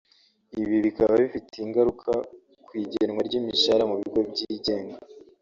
Ibi bikaba bifite ingaruka ku igenwa ry’imishahara mu bigo byigenga